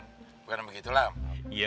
di baratnya sedia payung sebelum hujan